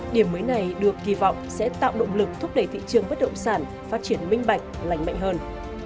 điểm mới này được kỳ vọng sẽ tạo động lực thúc đẩy thị trường bất động sản phát triển minh bạch lành mạnh hơn